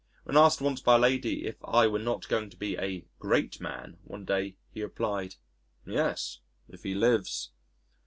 When asked once by a lady if I were not going to be "a great man" one day, he replied, "Yes if he lives."